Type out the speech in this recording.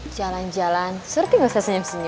jalan jalan surti gak usah senyum senyum